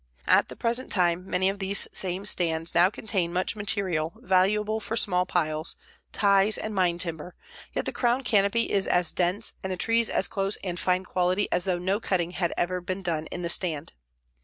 At the present time many of these same stands now contain much material valuable for small piles, ties and mine timber, yet the crown canopy is as dense and the trees as close and fine quality as though no cutting had ever been done in the stand.